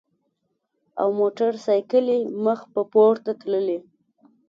او موټر ساېکلې مخ پۀ پورته تللې ـ